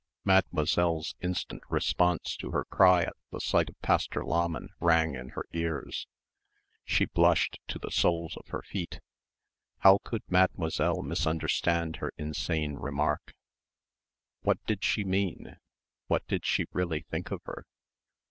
Mademoiselle's instant response to her cry at the sight of Pastor Lahmann rang in her ears. She blushed to the soles of her feet.... How could Mademoiselle misunderstand her insane remark? What did she mean? What did she really think of her?